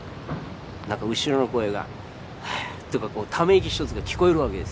何か後ろの声がはあとかため息一つが聞こえるわけですよ。